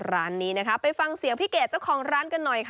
ร้านนี้นะคะไปฟังเสียงพี่เกดเจ้าของร้านกันหน่อยค่ะ